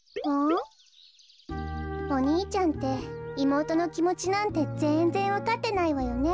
お兄ちゃんっていもうとのきもちなんてぜんぜんわかってないわよね。